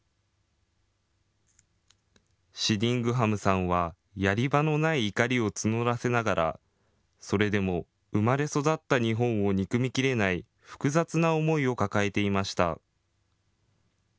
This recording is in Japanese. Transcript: シディングハムさんはやり場のない怒りを募らせながらそれでも生まれ育った日本を憎みきれない複雑な思いを抱えていました。